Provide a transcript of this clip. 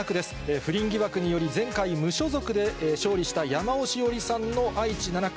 不倫疑惑により、前回無所属で勝利した山尾志桜里さんの愛知７区。